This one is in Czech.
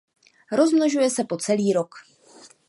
Rozmnožuje se po celý rok.